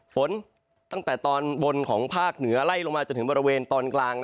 ฝนตั้งแต่ตอนบนของภาคเหนือไล่ลงมาจนถึงบริเวณตอนกลาง